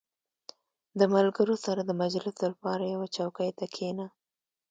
• د ملګرو سره د مجلس لپاره یوې چوکۍ ته کښېنه.